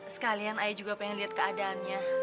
sekalian ayah juga pengen lihat keadaannya